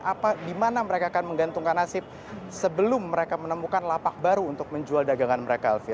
apa di mana mereka akan menggantungkan nasib sebelum mereka menemukan lapak baru untuk menjual dagangan mereka elvira